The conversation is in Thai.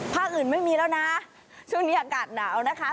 ภาคอื่นไม่มีแล้วนะช่วงนี้อากาศหนาวนะคะ